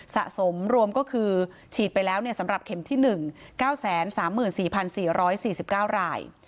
สะสมรวมก็คือฉีดไปแล้วเป็นสำหรับ๑๙๓๔๔๔๙ลาย